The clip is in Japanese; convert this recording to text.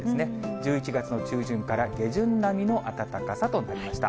１１月の中旬から下旬並みの暖かさとなりました。